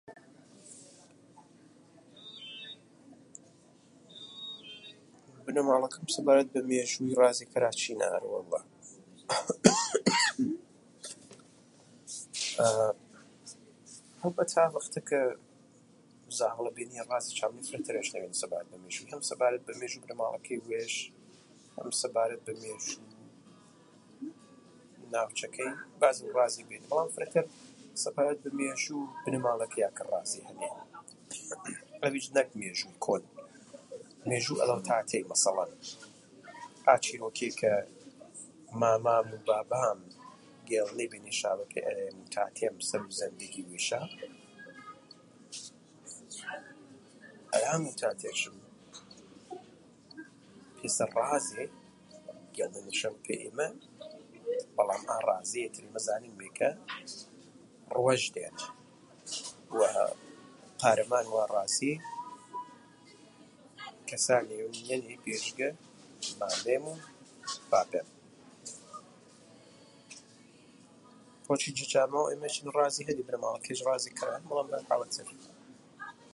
بنەماڵەکەم سەبارەت بە مێژووی رازێ کەرا چی نا ئەرێ وەڵا. ئەڵبەتە ئاڤختە زاڤڵە بێنێ رازێ فرە تەرێ ئەژنەڤێنێ سەبارەت بە میژووی. هەم سەبارەت بە مێژوو بنەمالەکەی ویش هەم سەبارەت بە مێژوو ناوچەکەی بەعزێڤ رازێ بێنێ بەلام فرەتەر سەبارەت بە مێژوو بنەماڵەکەیا کە رازێ هەنێ ئاذیچ نەک مێژووی کۆن مێژوو ئەذاو تاتەی مەسەڵەن ئا چیرۆکێ کە مامام و بابام گێڵنێبێناشەڤە پەی ئەذەیم و تاتەیم سەروو زندگی وێشا ئەدام و تاتەیچم پیشە رازێ گێڵنێنێشەڤە پەی ئێمە بەلام ئا رازێ ئێتر ئێمە زانێنمی کە روەش دەینە وە قارەمانوو ئا رازێ کەسانێڤ نیەنێ بێجگە مامەیم و بابەیم. پۆچی جە جامێحەو ئێمەیچەنە رازێ هەنێ بنەماڵەکەو ئێمەیچ رازێ کەرا بەڵام